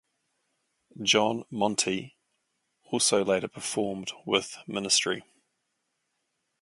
John Monte also later performed with Ministry.